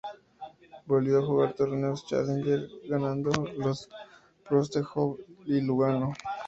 Volvió a jugar torneos challenger, ganando los de Prostějov y Lugano.